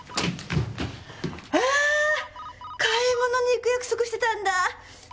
買い物に行く約束してたんだ！